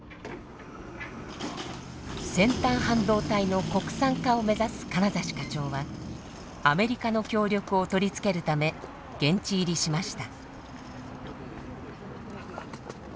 先端半導体の国産化を目指す金指課長はアメリカの協力を取り付けるため現地入りしました。